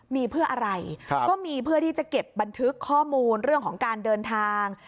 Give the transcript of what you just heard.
มีเพื่ออะไรก็มีเพื่อที่จะเก็บบันทึกข้อมูลเรื่องของการเดินทาง